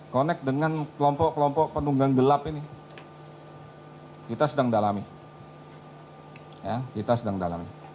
connect dengan kelompok kelompok penduduk gelap ini kita sedang dalami ya kita sedang dalam